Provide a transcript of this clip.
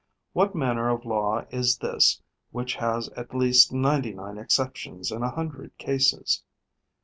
What manner of law is this which has at least ninety nine exceptions in a hundred cases?